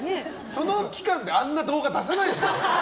その期間であんな動画出せないでしょ。